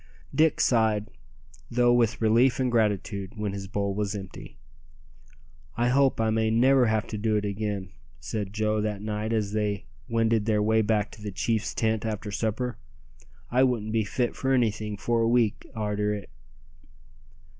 Dick sighed, though with relief and gratitude, when his bowl was empty. "I hope I may never have to do it again," said Joe that night as they wended their way back to the chief's tent after supper. "I wouldn't be fit for anything for a week arter it."